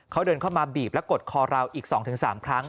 เขาเดินเข้ามาบีบและกดคอเราอีก๒๓ครั้ง